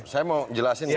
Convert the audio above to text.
saya mau jelasin